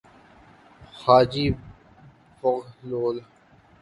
حاجی بغلول